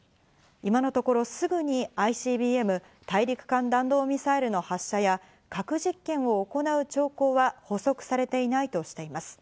今のところすぐにＩＣＢＭ＝大陸間弾道ミサイルの発射や核実験を行う兆候は捕捉されていないとしています。